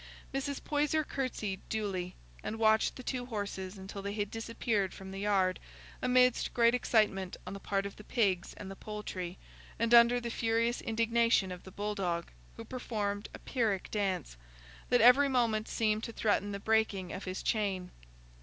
Mrs. Poyser curtsied duly, and watched the two horses until they had disappeared from the yard, amidst great excitement on the part of the pigs and the poultry, and under the furious indignation of the bull dog, who performed a Pyrrhic dance, that every moment seemed to threaten the breaking of his chain.